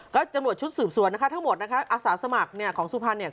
ก็ตำรวจชุดสืบสวนนะคะทั้งหมดนะคะอาสาสมัครเนี่ยของสุพรรณเนี่ย